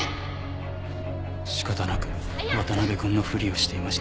仕方なく渡辺くんのふりをしていました。